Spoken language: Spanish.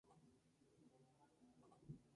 Es increíble tocando.